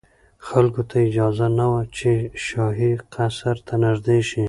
خلکو ته اجازه نه وه چې شاهي قصر ته نږدې شي.